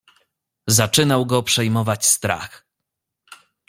"Zaczynał go przejmować strach."